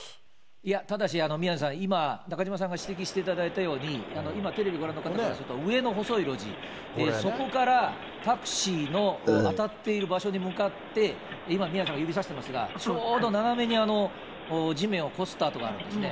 いや、ただし宮根さん、今、中島さんが指摘していただいたように、今、テレビご覧の方からすると、上の細い路地、そこからタクシーの当たっている場所に向かって、今、宮根さんが指さしてますが、ちょうど斜めに地面をこすった跡があるんですね。